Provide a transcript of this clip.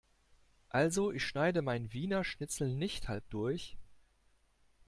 Also ich schneide mein Wiener Schnitzel nicht halb durch.